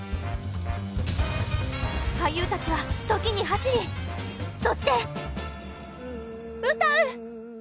俳優たちは時に走りそして歌う。